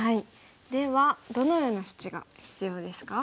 ではどのような処置が必要ですか？